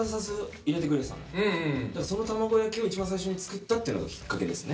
その卵焼きを一番最初に作ったっていうのがきっかけですね。